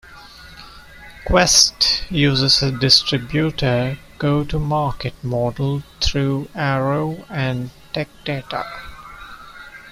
Quest uses a distributor go to market model through Arrow and TechData.